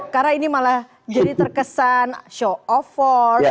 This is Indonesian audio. karena ini malah jadi terkesan show of force